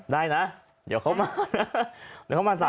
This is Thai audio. ได้นะเดี๋ยวเขามาสาดน้ำนะ